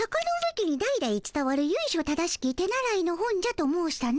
家に代々つたわるゆいしょ正しき手習いの本じゃと申したの。